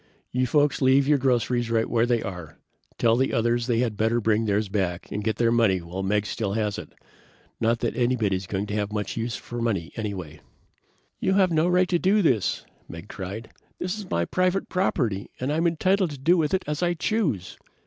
"You folks leave your groceries right where they are. Tell the others they had better bring theirs back and get their money while Meggs still has it. Not that anybody is going to have much use for money, anyway." "You've no right to do this!" Meggs cried. "This is my private property and I'm entitled to do with it as I choose!"